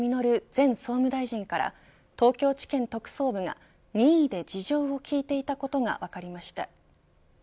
前総務大臣から東京地検特捜部が任意で事情を聴いていたことが分かりました。